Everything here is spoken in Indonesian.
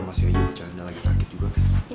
gapapa sih lo remasi aja jangan aja lagi sakit juga